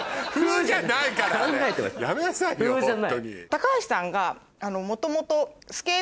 高橋さんが元々。